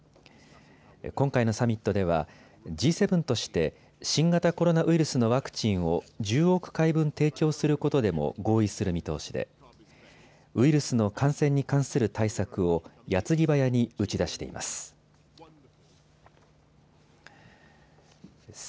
今回のサミットではＧ７として新型コロナウイルスのワクチンを１０億回分提供することでも合意する見通しでウイルスの感染に関する対策をやつぎばやに打ち出しています。